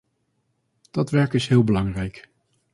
Dat werk is heel belangrijk.